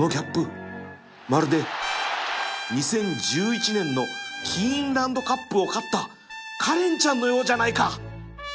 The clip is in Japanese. まるで２０１１年のキーンランドカップを勝ったカレンチャンのようじゃないか